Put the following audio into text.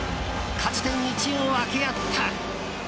勝ち点１を分け合った。